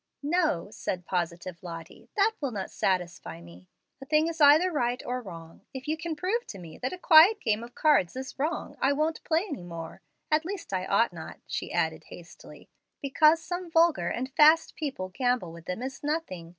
"No," said positive Lottie, "that will not satisfy me. A thing is either right or wrong. If you can prove to me that a quiet game of cards is wrong, I won't play any more at least I ought not," she added hastily. "Because some vulgar and fast people gamble with them is nothing.